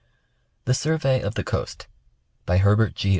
59 THE SURVEY OF THE COAST. By Herbert G.